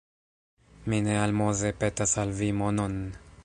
Mi ne almoze petas al vi monon!